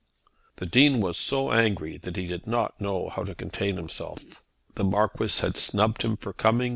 The Dean was so angry that he did not know how to contain himself. The Marquis had snubbed him for coming.